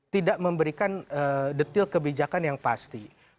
tidak memberikan detil kebijakan yang pasti